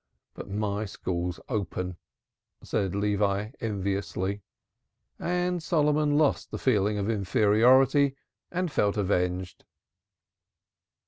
"But my school's open," said Levi enviously, and Solomon lost the feeling of inferiority, and felt avenged.